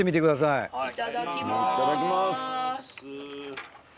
いただきます。